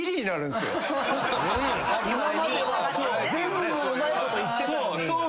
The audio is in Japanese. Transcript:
今までは全部うまいこといってたのに。